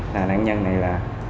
là nạn nhân này là